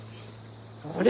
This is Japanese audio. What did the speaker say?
あれ！？